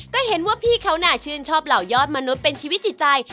ก็เห็นว่าพี่เขาน่าชื่นชอบเหล่ายอดมนุษย์เป็นชีวิตจิตใจ